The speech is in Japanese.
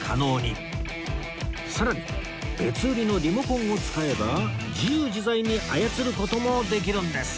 さらに別売りのリモコンを使えば自由自在に操る事もできるんです！